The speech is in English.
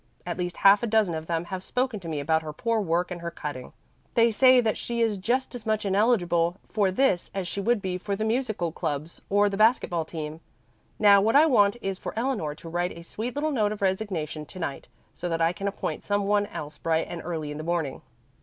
At least half a dozen of them have spoken to me about her poor work and her cutting. They say that she is just as much ineligible for this as she would be for the musical clubs or the basket ball team. Now what I want is for Eleanor to write a sweet little note of resignation to night, so that I can appoint some one else bright and early in the morning."